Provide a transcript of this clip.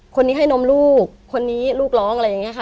คนนี้ให้นมลูกคนนี้ลูกร้องอะไรอย่างนี้ค่ะ